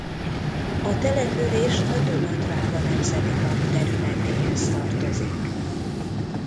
A település a Duna–Dráva Nemzeti Park területéhez tartozik.